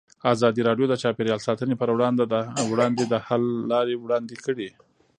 ازادي راډیو د چاپیریال ساتنه پر وړاندې د حل لارې وړاندې کړي.